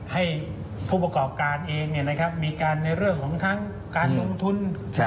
ให้ผู้ประกอบการเองมีการในเรื่องของทั้งการลงทุน